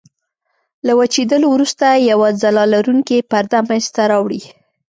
له وچېدلو وروسته یوه ځلا لرونکې پرده منځته راوړي.